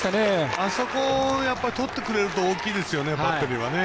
あそこをとってくれると大きいですよね、バッテリーはね。